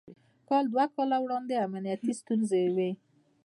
کال دوه کاله وړاندې امنيتي ستونزې وې.